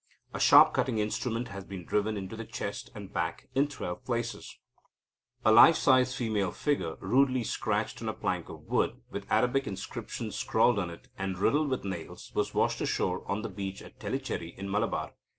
A sharp cutting instrument has been driven into the chest and back in twelve places. A life size female figure, rudely scratched on a plank of wood, with Arabic inscriptions scrawled on it, and riddled with nails, was washed ashore on the beach at Tellicherry in Malabar.